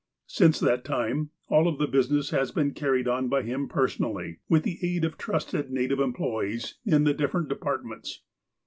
Since that time aU of the business has been carried on by him personally, with the aid of trusted native em ployees in the different departments.